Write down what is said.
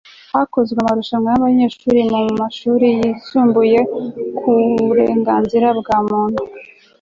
hakozwe amarushanway'abanyeshuri mu mashuri yisumbuye ku uburengazira bwa muntu